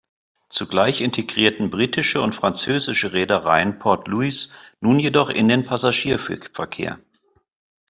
Zugleich integrierten britische und französische Reedereien Port Louis nun jedoch in den Passagierverkehr.